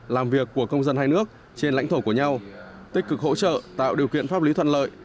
làm việc của công dân hai nước trên lãnh thổ của nhau tích cực hỗ trợ tạo điều kiện pháp lý thuận lợi